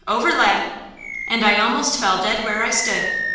Over Lad!" And I almost fell dead where I stood.